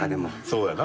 そうやな。